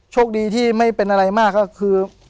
โชคดีที่ไม่เป็นอะไรมากก็คือ